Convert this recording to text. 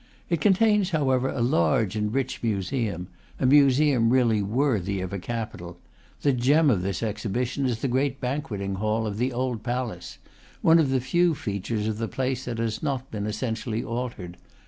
It contains, however, a large and rich museum, a museum really worthy of a capi tal. The gem of this exhibition is the great banquet ing hall of the old palace, one of the few features of the place that has not been essentially altered.